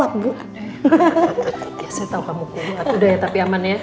saya tahu kamu kuat udah ya tapi aman ya